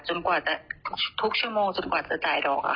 จนกว่าทุกชั่วโมงจะจ่ายดอก